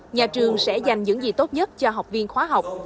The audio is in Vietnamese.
nhà trường sẽ dành những gì tốt nhất cho học viên khóa học